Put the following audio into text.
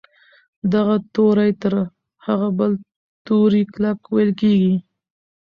دغه توری تر هغه بل توري کلک ویل کیږي.